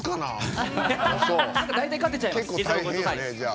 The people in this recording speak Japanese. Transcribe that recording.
大体、勝てちゃいます。